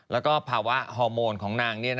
แล้วก็ภาวะฮอร์โมนของนาง